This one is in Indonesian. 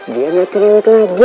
dia tidak terlalu terlalu